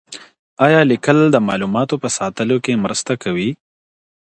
آیا لیکل د معلوماتو په ساتلو کي مرسته کوي؟